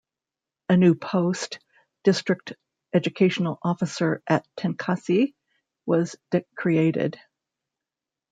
A new post, District Educational Officer at Tenkasi, was created.